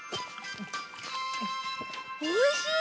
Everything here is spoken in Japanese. おいしい！